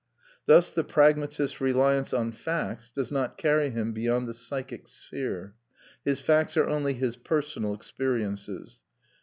Thus the pragmatist's reliance on facts does not carry him beyond the psychic sphere; his facts are only his personal experiences.